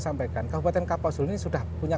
sampaikan kabupaten kapausul ini sudah punya